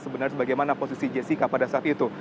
sebenarnya bagaimana posisi jessica pada saat itu